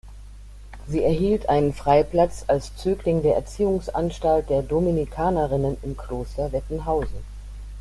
Sie erhielt einen Freiplatz als Zögling der Erziehungsanstalt der Dominikanerinnen im Kloster Wettenhausen.